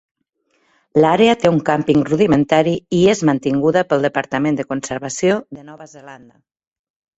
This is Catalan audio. L'àrea té un càmping rudimentari i és mantinguda pel Departament de Conservació de Nova Zelanda.